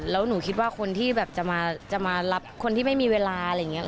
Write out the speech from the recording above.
แล้วหนูคิดว่าคนที่แบบจะมารับคนที่ไม่มีเวลาอะไรอย่างนี้